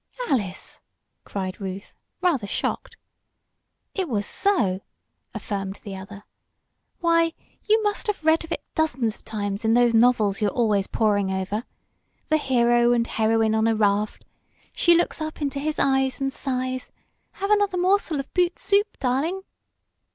"Alice!" cried Ruth, rather shocked. "It was so!" affirmed the other. "Why, you must have read of it dozens of times in those novels you're always poring over. The hero and heroine on a raft she looks up into his eyes and sighs. 'Have another morsel of boot soup, darling!'